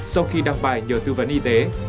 sau khi đăng bài nhờ tư vấn y tế